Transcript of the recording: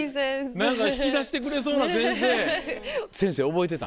何か引き出してくれそうな先生。